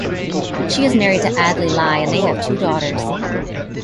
She is married to Adli Lai they have two daughters.